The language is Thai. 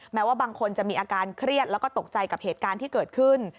ว่าบางคนจะมีอาการเครียดแล้วก็ตกใจกับเหตุการณ์ที่เกิดขึ้น